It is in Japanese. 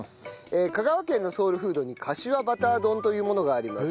香川県のソウルフードにかしわバター丼というものがあります。